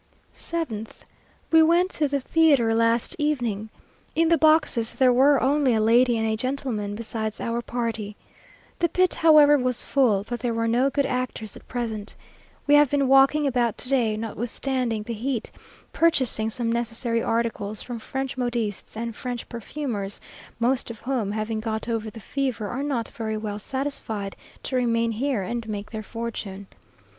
7th. We went to the theatre last evening. In the boxes there were only a lady and gentleman, besides our party. The pit, however, was full; but there are no good actors at present. We have been walking about to day, notwithstanding the heat, purchasing some necessary articles from French modistes and French perfumers, most of whom, having got over the fever, are now very well satisfied to remain here and make their fortune.